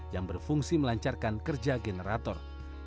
yang berfungsi melancarkan kerja generator